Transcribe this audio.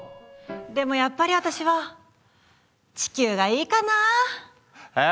でもやっぱり私は地球がいいかな。え？